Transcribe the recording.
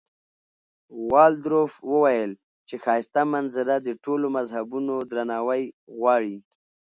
والډروف وویل چې ښایسته منظره د ټولو مذهبونو درناوی غواړي.